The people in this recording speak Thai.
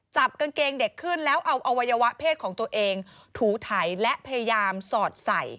จับกางเกงเด็กขึ้นแล้วเอาอวัยวะเพศของตัวเองถูไถและพยายามสอดใส่